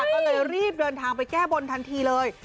ก็เลยรีบเดินทางไปแก้บนทันทีเลย